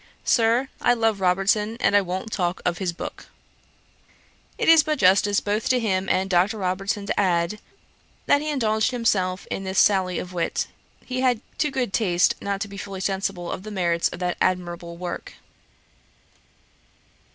'Sir, I love Robertson, and I won't talk of his book.' It is but justice both to him and Dr. Robertson to add, that though he indulged himself in this sally of wit, he had too good taste not to be fully sensible of the merits of that admirable work.